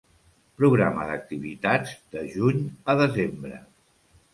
Programa d'activitats de juny a desembre.